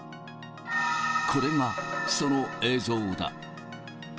これがその映像だ。